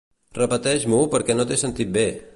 Repeteix-m'ho perquè no t'he sentit bé.